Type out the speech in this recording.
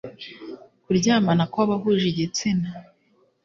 kuryamana kw abahuje igitsina